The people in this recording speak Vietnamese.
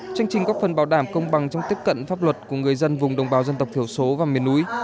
chương trình góp phần bảo đảm công bằng trong tiếp cận pháp luật của người dân vùng đồng bào dân tộc thiểu số và miền núi